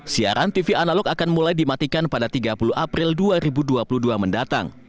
siaran tv analog akan mulai dimatikan pada tiga puluh april dua ribu dua puluh dua mendatang